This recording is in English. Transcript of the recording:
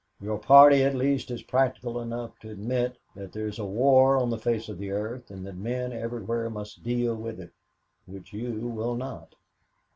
Your party at least is practical enough to admit that there is war on the face of the earth, and that men everywhere must deal with it, which you will not."